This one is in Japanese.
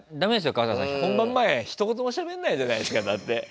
春日さん本番前ひと言もしゃべんないじゃないですかだって。